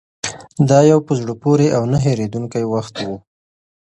دا یو په زړه پورې او نه هېرېدونکی وخت و.